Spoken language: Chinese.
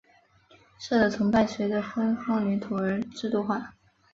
社的崇拜随着分封领土而制度化。